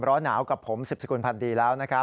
ร้อนาวกับผมสิบสกุลพันดีแล้ว